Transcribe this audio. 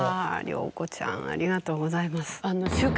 涼子ちゃんありがとうございます。